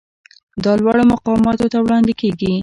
دا لوړو مقاماتو ته وړاندې کیږي.